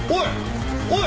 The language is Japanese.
おい！